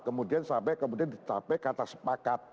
kemudian sampai kata sepakat